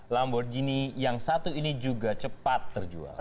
lamborghini yang satu ini juga cepat terjual